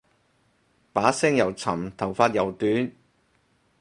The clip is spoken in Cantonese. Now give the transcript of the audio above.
把聲又沉頭髮又短